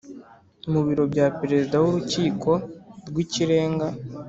mu biro bya Perezida w Urukiko rw Ikirenga